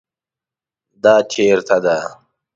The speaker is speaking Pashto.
دا چیرته ده؟